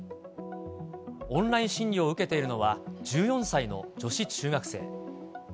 オンライン診療を受けているのは、１４歳の女子中学生。